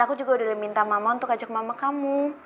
dan aku juga udah minta mama untuk ajak mama kamu